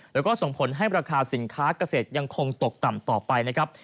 แล้วก็ส่งผลให้ราคาสินค้าเกษตรยังคงตกต่ำต่อไปนะครับ